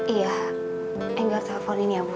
iya tinggal telepon ini ya bu